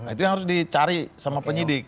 itu yang harus dicari sama penyidik